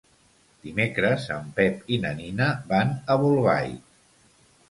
Dimecres en Pep i na Nina van a Bolbait.